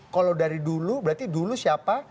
kalau dari dulu berarti dulu siapa